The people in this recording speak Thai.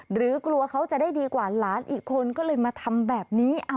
หรือกลัวเขาจะได้ดีกว่าหลานอีกคนก็เลยมาทำแบบนี้